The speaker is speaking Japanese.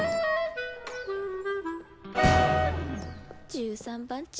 １３番地。